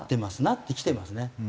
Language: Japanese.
なってきてますね。